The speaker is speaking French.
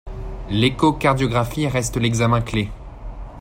L’échocardiographie reste l’examen clé.